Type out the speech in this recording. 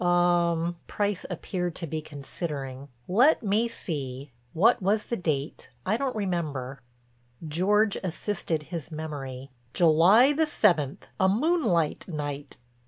"Um," Price appeared to be considering. "Let me see—what was the date, I don't remember?" George assisted his memory: "July the seventh—a moonlight night."